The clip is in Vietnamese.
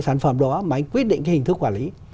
sản phẩm đó mà anh quyết định cái hình thức quản lý